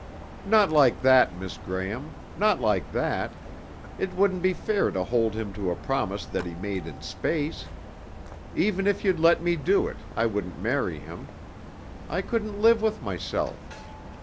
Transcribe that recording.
"Not like that, Miss Graham. Not like that. It wouldn't be fair to hold him to a promise that he made in space. Even if you'd let me do it, I wouldn't marry him. I couldn't live with myself.